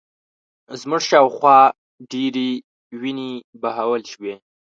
زموږ شا و خوا ډېرې وینې بهول شوې